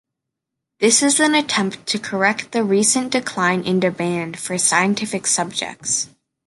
This is an attempt to correct the recent decline in demand for scientific subjects.